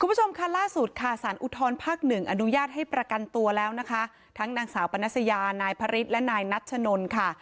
คุณผู้ชมค่ะล่าสุดค่ะสารอุทธรภาคหนึ่งอนุญาตให้ประกันตัวแล้วนะคะทั้งนางสาวปนัสยานายพระฤทธิและนายนัชนนค่ะ